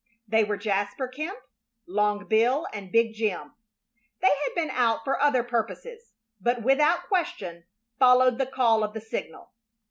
They were Jasper Kemp, Long Bill, and Big Jim. They had been out for other purposes, but without question followed the call of the signal.